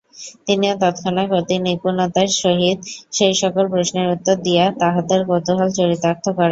তিনিও তৎক্ষণাৎ অতি নিপুণতার সহিত সেই সকল প্রশ্নের উত্তর দিয়া তাঁহাদের কৌতূহল চরিতার্থ করেন।